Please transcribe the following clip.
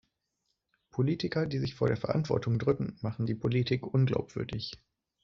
Politiker, die sich vor der Verantwortung drücken, machen die Politik unglaubwürdig.